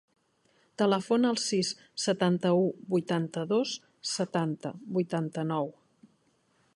Telefona al sis, setanta-u, vuitanta-dos, setanta, vuitanta-nou.